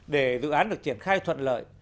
để dự án được triển khai thuận lợi